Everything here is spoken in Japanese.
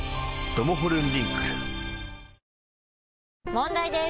問題です！